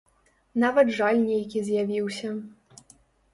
Нават жаль нейкі з'явіўся.